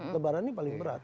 lebaran ini paling berat